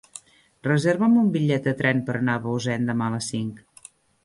Reserva'm un bitllet de tren per anar a Bausen demà a les cinc.